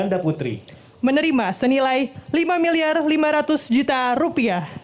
menerima senilai rp lima lima ratus